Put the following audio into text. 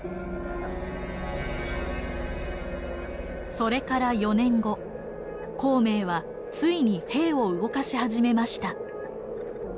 それから４年後孔明はついに兵を動かし始めました。